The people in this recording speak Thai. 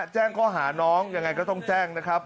แจ้งข้อหาน้องยังไงก็ต้องแจ้งนะครับ